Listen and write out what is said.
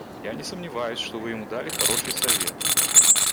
Я не сомневаюсь, что Вы ему дали хороший совет.